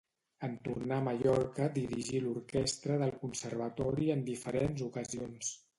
En tornar a Mallorca dirigí l'orquestra del conservatori en diferents ocasions.